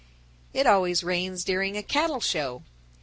It always rains during a cattle show.